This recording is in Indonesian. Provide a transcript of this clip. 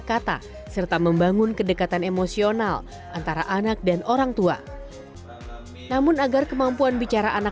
kata serta membangun kedekatan emosional antara anak dan orang tua namun agar kemampuan bicara anak